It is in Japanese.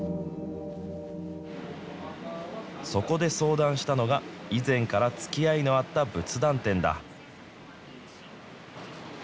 そこで相談したのが、以前からつきあいのあった仏壇店だ。